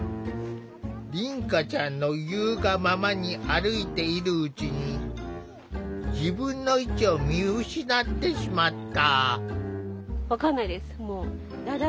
凛花ちゃんの言うがままに歩いているうちに自分の位置を見失ってしまった。